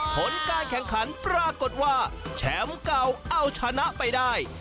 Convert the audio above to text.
ผลการแข่งขันปรากฏว่าแชมป์เก่าเอาชนะไปได้